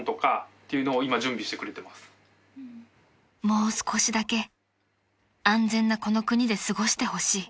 ［もう少しだけ安全なこの国で過ごしてほしい］